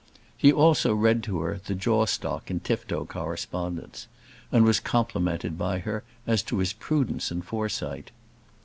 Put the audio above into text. He also read to her the Jawstock and Tifto correspondence, and was complimented by her as to his prudence and foresight.